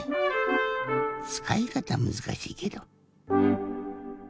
つかいかたむずかしいけど。